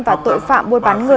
và tội phạm buôn bán người